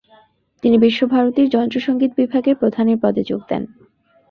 তিনি বিশ্বভারতীর যন্ত্রসঙ্গীত বিভাগের প্রধানের পদে যোগ দেন।